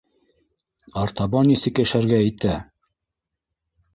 Артабан нисек йәшәргә итә?